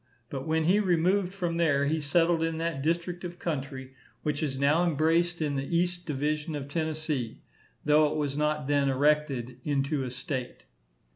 But when he removed from there, he settled in that district of country which is now embraced in the east division of Tennessee, though it was not then erected into a state.